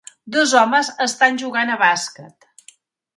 Dos homes estan jugant a bàsquet